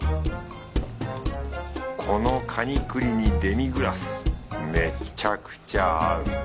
このカニクリにデミグラスめちゃくちゃ合う。